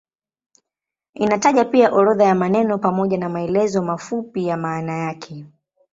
Inataja pia orodha ya maneno pamoja na maelezo mafupi ya maana yake.